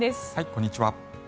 こんにちは。